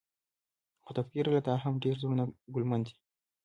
خو تقديره له تا هم ډېر زړونه ګيلمن دي.